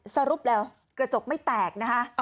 สรุปแล้วกระจกไม่แตกนะคะ